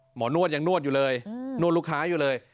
นวดยังนวดอยู่เลยนวดลูกค้าอยู่เลย